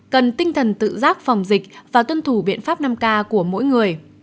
cần tinh thần tự giác phòng dịch và tuân thủ biện pháp năm k của mỗi người